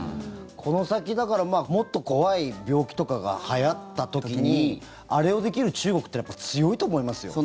この先、だからもっと怖い病気とかがはやった時にあれをできる中国というのはやっぱり強いと思いますよ。